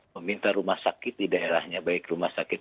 meminta rumah sakit di daerahnya baik rumah sakit